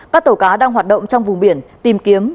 các tàu cá đang hoạt động trong vùng biển tìm kiếm